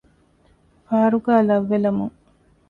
ފާރުގައި ލައްވެލަމުން